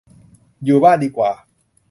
อยู่บ้านดีกว่า